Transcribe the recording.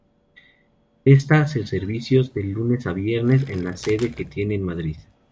Presta sus servicios de lunes a viernes en la sede que tiene en Madrid.